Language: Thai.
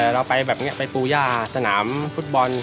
เราไปแบบนี้ไปปูย่าสนามฟุตบอล